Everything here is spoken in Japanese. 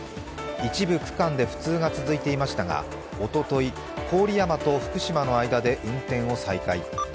一部区間で不通が続いていましたがおととい、郡山と福島の間で運転を再開。